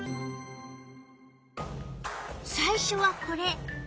最初はこれ。